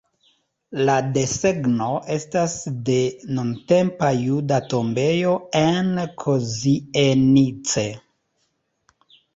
La desegno estas de nuntempa juda tombejo en Kozienice.